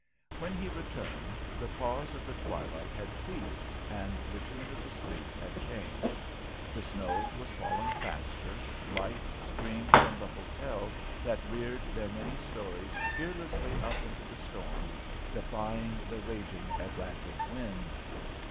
When he returned, the pause of the twilight had ceased, and the tune of the streets had changed. The snow was falling faster, lights streamed from the hotels that reared their many stories fearlessly up into the storm, defying the raging Atlantic winds.